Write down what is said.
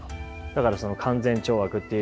だから勧善懲悪っていう